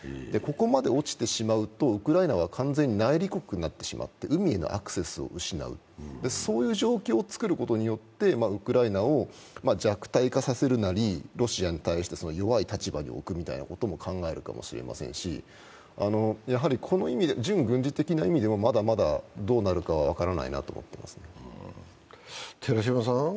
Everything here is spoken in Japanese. ここまで落ちてしまうと、ウクライナは完全に内陸国になってしまって海へのアクセスを失う、そういう状況を作ることによってウクライナを弱体化させるなり、ロシアに対して弱い立場に置くみたいなことも考えるかもれませんし準軍事的な意味でも、まだまだどうなるか分からないと思っています。